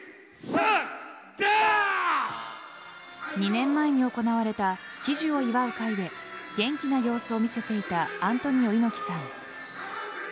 ２年前に行われた喜寿を祝う会で元気な様子を見せていたアントニオ猪木さん。